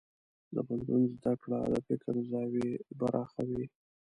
د پوهنتون زده کړه د فکر زاویې پراخوي.